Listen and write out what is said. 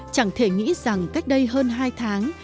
chẳng thể nghĩ rằng cách đây hơn hai tháng